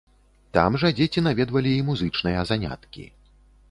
Там жа дзеці наведвалі і музычныя заняткі.